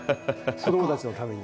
子供たちのために。